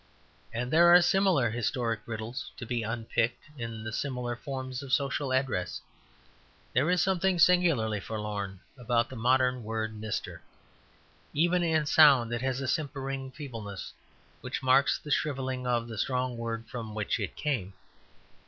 And there are similar historic riddles to be unpicked in the similar forms of social address. There is something singularly forlorn about the modern word "Mister." Even in sound it has a simpering feebleness which marks the shrivelling of the strong word from which it came.